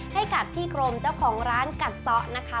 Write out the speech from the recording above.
ให้กับพี่กรมเจ้าของร้านกัดซะนะคะ